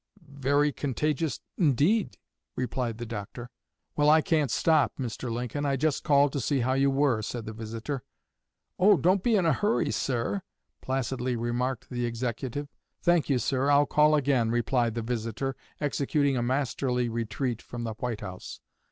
"Very contagious, indeed!" replied the doctor. "Well, I can't stop, Mr. Lincoln; I just called to see how you were," said the visitor. "Oh, don't be in a hurry, sir!" placidly remarked the Executive. "Thank you, sir; I'll call again," replied the visitor, executing a masterly retreat from the White House.